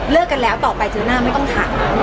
เลิกกันแล้วต่อไปถึงหน้ามันไม่ต้องถาม